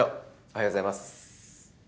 おはようございます。